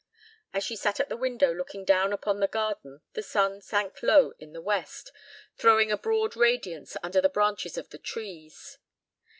As she sat at the window looking down upon the garden the sun sank low in the west, throwing a broad radiance under the branches of the trees.